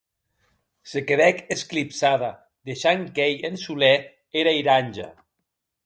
Se quedèc esclipsada deishant quèir en solèr era iranja.